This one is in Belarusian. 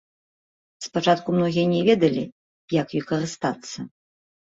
Спачатку многія не ведалі, як ёй карыстацца.